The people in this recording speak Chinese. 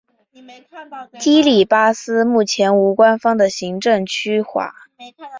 基里巴斯目前无官方的行政区划。